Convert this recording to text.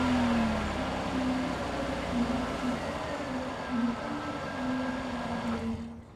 Лач ны йӱштӧ огыл, ны утыжым шокшо огыл игечан кече веле шагалрак лийын.